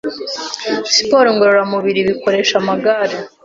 siporo ngororamubiri bakoresha amagare.